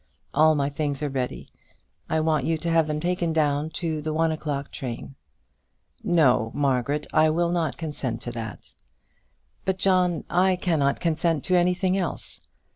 All my things are ready. I want you to have them taken down to the one o'clock train." "No, Margaret; I will not consent to that." "But, John, I cannot consent to anything else.